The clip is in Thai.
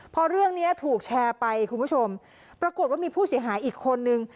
พอเรื่องนี้ถูกแชร์ไปคุณผู้ชมปรากฏว่ามีผู้เสียหายอีกคนนึง